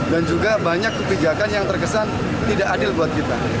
dan juga banyak kebijakan yang terkesan tidak adil buat kita